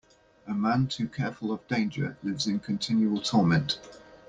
A man too careful of danger lives in continual torment.